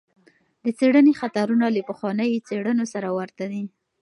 د څېړنې خطرونه له پخوانیو څېړنو سره ورته دي.